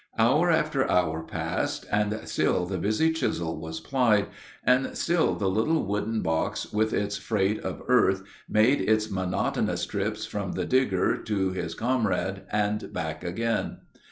Hour after hour passed, and still the busy chisel was plied, and still the little wooden box with its freight of earth made its monotonous trips from the digger to his comrade and back again.